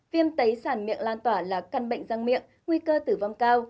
viêm tấy sản miệng lan tỏa là căn bệnh răng miệng nguy cơ tử vong cao